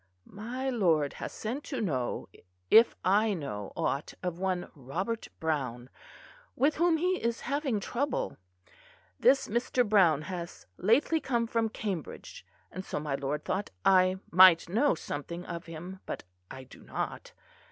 "My lord has sent to know if I know aught of one Robert Browne, with whom he is having trouble. This Mr. Browne has lately come from Cambridge, and so my lord thought I might know something of him; but I do not.